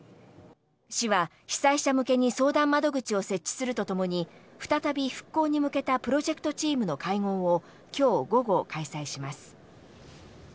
市は、被災者向けに相談窓口を設置するとともに再び復興に向けたプロジェクトチームの会合を今日午後、開催します。